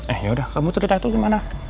eh yaudah kamu cerita itu gimana